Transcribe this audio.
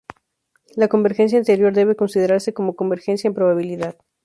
La convergencia anterior debe considerarse como convergencia en probabilidad.